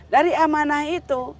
dari amanah itu